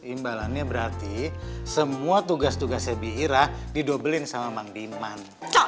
oh imbalannya berarti semua tugas tugasnya bi'ira didobelin sama mang diman